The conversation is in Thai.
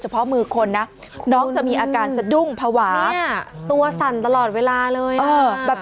เพราะมือคนนะน้องจะมีอาการสะดุ้งภาวะตัวสั่นตลอดเวลาเลยแบบ